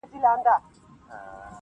o د حق ناره مي کړې ځانته غرغړې لټوم,